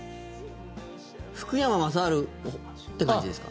福山雅治って感じですか？